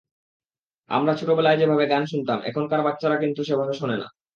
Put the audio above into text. আমরা ছোটবেলায় যেভাবে গান শুনতাম, এখনকার বাচ্চারা কিন্তু সেভাবে শোনে না।